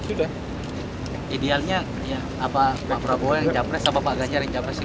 idealnya pak prabowo yang capres atau pak ganjar yang capres